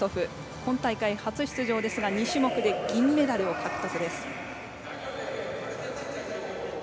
今大会初出場ですが２種目で銀メダルを獲得。